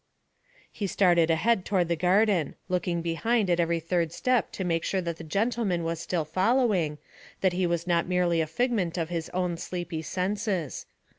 _' He started ahead toward the garden, looking behind at every third step to make sure that the gentleman was still following, that he was not merely a figment of his own sleepy senses.